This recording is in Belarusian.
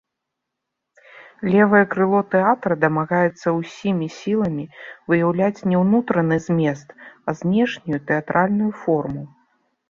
Левае крыло тэатра дамагаецца ўсімі сіламі выяўляць не ўнутраны змест, а знешнюю тэатральную форму.